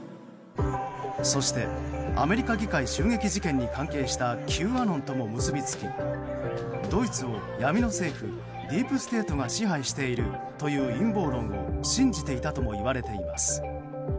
そして、アメリカ議会襲撃事件に関係したＱアノンとも結びつきドイツを闇の政府ディープステートが支配しているという陰謀論を信じていたともいわれています。